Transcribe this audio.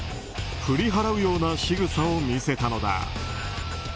振り払うようなしぐさを見せたのだ。